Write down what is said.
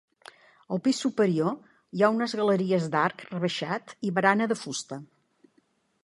Al pis superior hi ha unes galeries d'arc rebaixat i barana de fusta.